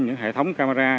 những hệ thống camera